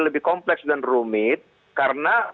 lebih kompleks dan rumit karena